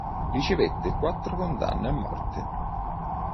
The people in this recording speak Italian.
Ricevette quattro condanne a morte.